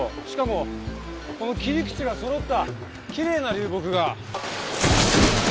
しかもこの切り口がそろったきれいな流木が。